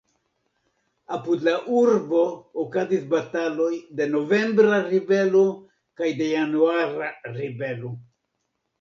Apud la urbo okazis bataloj de novembra ribelo kaj de januara ribelo.